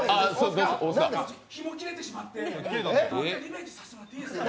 ひも切れてしまってリベンジさせてもらっていいですか？